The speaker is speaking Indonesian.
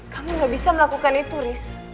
kamu gak bisa melakukan itu riz